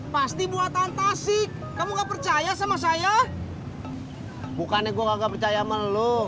pasti buatan tasik kamu nggak percaya sama saya bukannya gua nggak percaya sama lo